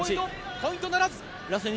ポイントならず。